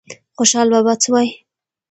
خوشال بابا څه وایي؟